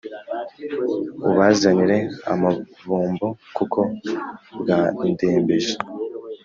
ubazanire amabombo kuko bwandembeje,